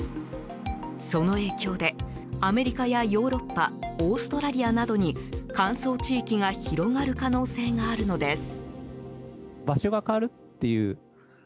その影響でアメリカやヨーロッパオーストラリアなどに乾燥地域が広がる可能性があるのです。